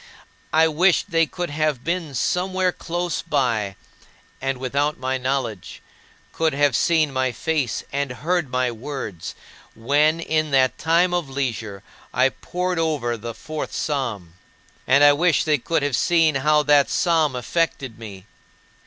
I wished they could have been somewhere close by, and without my knowledge could have seen my face and heard my words when, in that time of leisure, I pored over the Fourth Psalm. And I wish they could have seen how that psalm affected me.